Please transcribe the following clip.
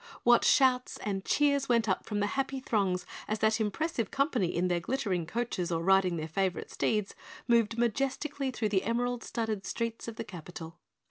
What shouts and cheers went up from the happy throngs as that impressive company in their glittering coaches or riding their favorite steeds moved majestically through the emerald studded streets of the capital.